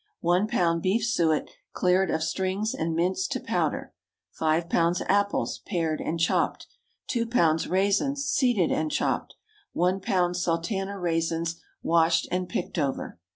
1 lb. beef suet, cleared of strings and minced to powder. 5 lbs. apples, pared and chopped. 2 lbs. raisins, seeded and chopped. 1 lb. sultana raisins, washed and picked over.